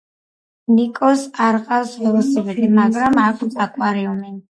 ნიკოს არა ჰყავს ველოსიპედი მაგრამ აქვს აკვარიუმი.